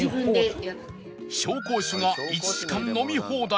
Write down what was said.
紹興酒が１時間飲み放題。